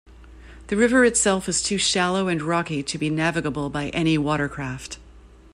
The river itself is too shallow and rocky to be navigable by any watercraft.